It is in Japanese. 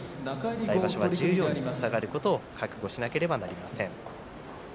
来場所は十両に下がることを覚悟しなければなりません。